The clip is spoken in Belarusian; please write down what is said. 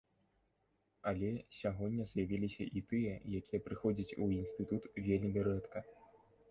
Але сягоння з'явіліся і тыя, якія прыходзяць у інстытут вельмі рэдка.